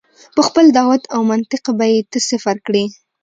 په خپل دعوت او منطق به یې ته صفر کړې.